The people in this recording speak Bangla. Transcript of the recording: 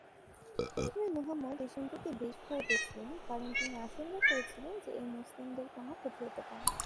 প্রথমে মুহাম্মদ এ সম্পর্কে বেশ ভয় পেয়েছিলেন, কারণ তিনি আশঙ্কা করেছিলেন যে এই মুসলিমদের কোন ক্ষতি হতে পারে।